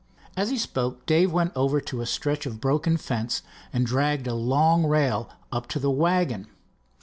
As he spoke Dave went over to a stretch of broken fence and dragged a long rail up to the wagon.